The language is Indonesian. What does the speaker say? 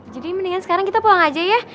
jadi mendingan sekarang kita pulang aja ya